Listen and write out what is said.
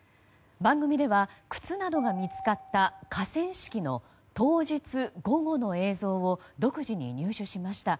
番組では靴などが見つかった河川敷の当日午後の映像を独自に入手しました。